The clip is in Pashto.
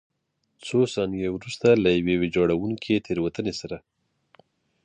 څو ثانیې وروسته له یوې ویجاړوونکې تېروتنې سره.